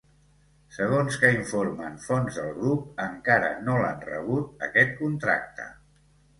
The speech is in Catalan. Segons que informen fonts del grup, encara no l’han rebut, aquest contracte.